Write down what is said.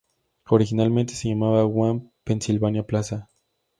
Originalmente se llamaba One Pensilvania Plaza.